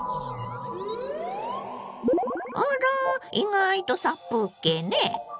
あら意外と殺風景ね。